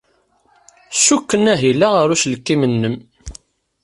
Ssukken ahil-a ɣer uselkim-nnem.